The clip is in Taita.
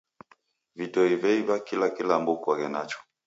Vidoi veiw'a kila kilambo okoghe nacho.